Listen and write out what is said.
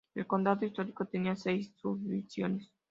El condado histórico tenía seis subdivisiones.